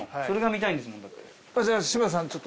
それが見たいんですもん。